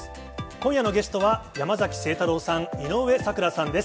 今夜のゲストは、山崎晴太郎さん、井上咲楽さんです。